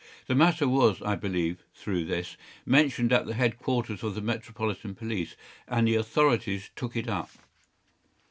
The matter was, I believe, through this, mentioned at the headquarters of the metropolitan police, and the authorities took it up.